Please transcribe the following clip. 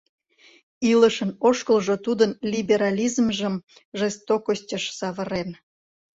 Илышын ошкылжо тудын либерализмжым жестокостьыш савырен.